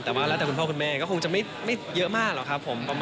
แต่ว่าแล้วแต่คุณพ่อคุณแม่ก็คงจะไม่เยอะมากหรอกครับผม